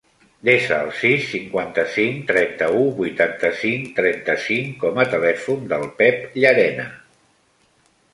Desa el sis, cinquanta-cinc, trenta-u, vuitanta-cinc, trenta-cinc com a telèfon del Pep Llarena.